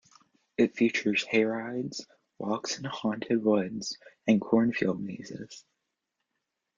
It features hayrides, walks in haunted woods, and cornfield mazes.